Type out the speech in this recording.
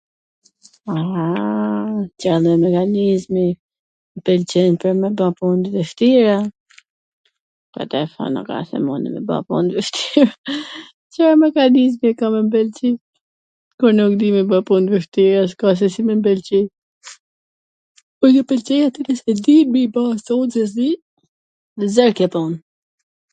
Aaa, qe dhe mekanizmi. M pwlqen pwr me ba pun t vwshtira? Ate them kam edhe un me ba pun t vwshtira... Car mekanizmi ka me m pwlqy, kur nuk di me ba pun t vwshtira? S ka se si m pwlqej, po ju pwlqej atyre s e di, me i ba sonte s di...